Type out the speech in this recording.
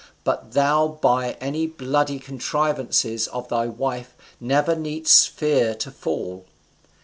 But thou by any bloody contrivances of thy wife never needst fear to fall.